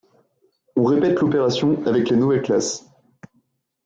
On répète l'opération, avec les nouvelles classes.